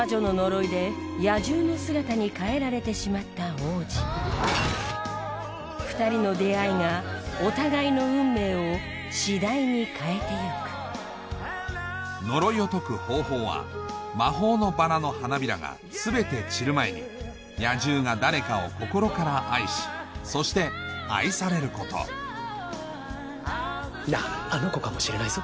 魔女の呪いで２人の出会いがお互いの運命を次第に変えていく呪いを解く方法は魔法のバラの花びらが全て散る前に野獣が誰かを心から愛しそして愛されることなぁあの子かもしれないぞ